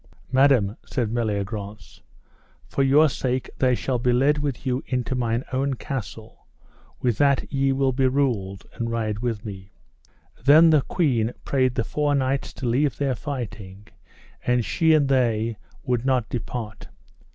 Madam, said Meliagrance, for your sake they shall be led with you into mine own castle, with that ye will be ruled, and ride with me. Then the queen prayed the four knights to leave their fighting, and she and they would not depart.